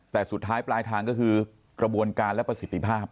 แต่สุดท้ายปลายทางก็คือกระบวนการและประสิทธิภาพ